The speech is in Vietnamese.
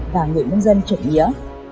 và người dân dân chủ nghĩa